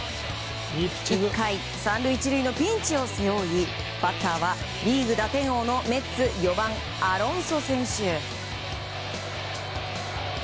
１回、３塁１塁のピンチを背負いバッターはリーグ打点王のメッツ４番、アロンソ選手。